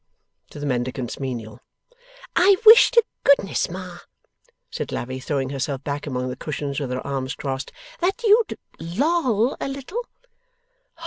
to the Mendicant's menial. 'I wish to goodness, Ma,' said Lavvy, throwing herself back among the cushions, with her arms crossed, 'that you'd loll a little.